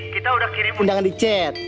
kita udah kirim undangan di chat